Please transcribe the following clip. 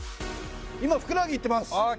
今ふくらはぎいってます